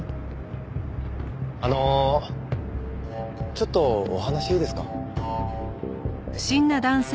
あのちょっとお話いいですか？